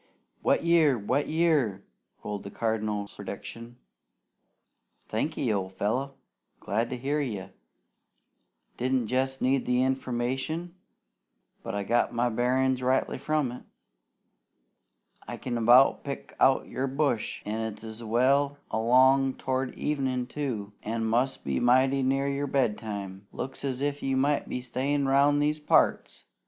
"Wet year! Wet year!" rolled the Cardinal's prediction. "Thanky, old fellow! Glad to hear you! Didn't jest need the information, but I got my bearin's rightly from it! I can about pick out your bush, an' it's well along towards evenin', too, an' must be mighty near your bedtime. Looks as if you might be stayin' round these parts!